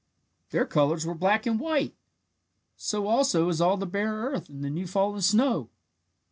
Their colours were black and white! So also is all the bare earth and the new fallen snow!